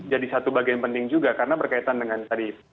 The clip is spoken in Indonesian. jadi satu bagian penting juga karena berkaitan dengan tadi